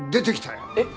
えっ！？